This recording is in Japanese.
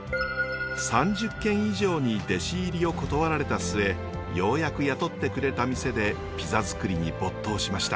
３０軒以上に弟子入りを断られた末ようやく雇ってくれた店でピザづくりに没頭しました。